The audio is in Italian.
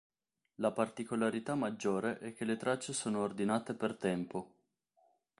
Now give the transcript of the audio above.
La particolarità maggiore è che le tracce sono ordinate per "tempo".